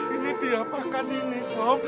ini diapakan ini som